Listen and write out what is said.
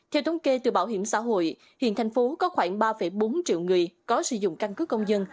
theo thống kê từ bảo hiểm xã hội hiện thành phố có khoảng ba bốn triệu người có sử dụng căn cứ công dân